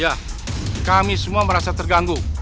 ya kami semua merasa terganggu